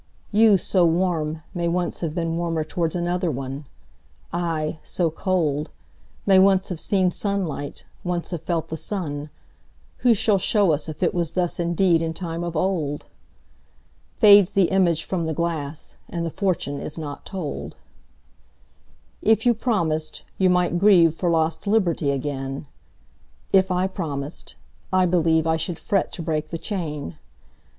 You, so warm, may once have beenWarmer towards another one:I, so cold, may once have seenSunlight, once have felt the sun:Who shall show us if it wasThus indeed in time of old? Fades the image from the glass, And the fortune is not told. If you promised, you might grieveFor lost liberty again:If I promised, I believeI should fret to break the chain.